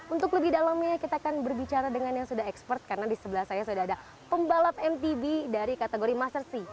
untuk lebih dalamnya kita akan berbicara dengan yang sudah expert karena di sebelah saya sudah ada pembalap mtb dari kategori master sea